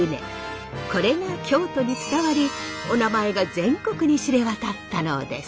これが京都に伝わりおなまえが全国に知れ渡ったのです。